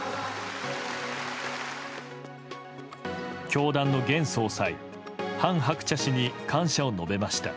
教団の現総裁・韓鶴子氏に感謝を述べました。